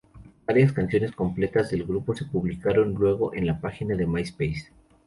Varias canciones completas del grupo se publicaron luego en la página de Myspace.